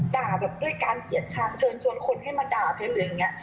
ด่าแบบด้วยการเกียรติชาญเชิญชวนคนให้มาด่าเพลงอย่างเงี้ย